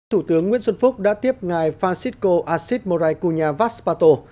thủ tướng nguyễn xuân phúc đã tiếp ngài francisco asit moray cunha vazpato